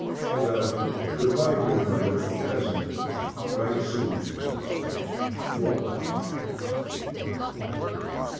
Well, good bye, dear mother, for present write soon. WALT.